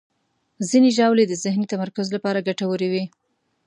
ځینې ژاولې د ذهني تمرکز لپاره ګټورې وي.